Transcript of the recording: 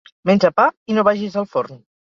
Menja pa i no vagis al forn.